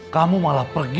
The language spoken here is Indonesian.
kamu malah pergi